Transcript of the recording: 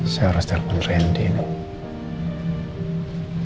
saya harus telepon randi nih